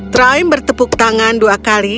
trime bertepuk tangan dua kali